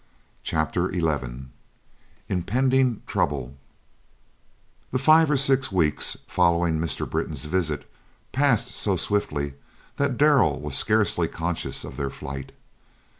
Chapter XI IMPENDING TROUBLE The five or six weeks following Mr. Britton's visit passed so swiftly that Darrell was scarcely conscious of their flight.